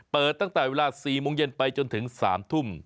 ตั้งแต่เวลา๔โมงเย็นไปจนถึง๓ทุ่ม